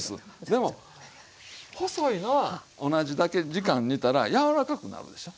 でも細いのは同じだけ時間煮たら柔らかくなるでしょ。